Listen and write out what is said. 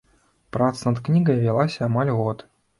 Праца над кнігай вялася амаль год.